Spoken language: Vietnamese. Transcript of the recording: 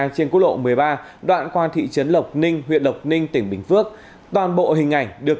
một mươi hai trên cú lộ một mươi ba đoạn qua thị trấn lộc ninh huyện lộc ninh tỉnh bình phước toàn bộ hình ảnh được